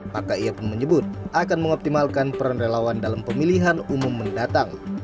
maka ia pun menyebut akan mengoptimalkan peran relawan dalam pemilihan umum mendatang